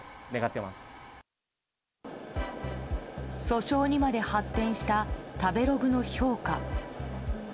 訴訟にまで発展した食べログの評価。